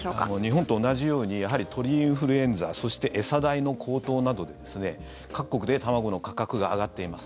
日本と同じようにやはり、鳥インフルエンザそして餌代の高騰などで、各国で卵の価格が上がっています。